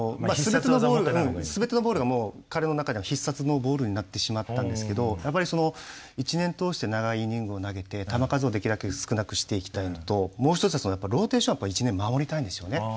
すべてのボールが彼の中では必殺のボールになってしまったんですけどやっぱりその一年通して長いイニングを投げて球数をできるだけ少なくしていきたいのともう一つはローテーションを一年守りたいんですよね。